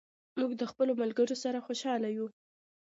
موږ له خپلو ملګرو سره خوشاله یو.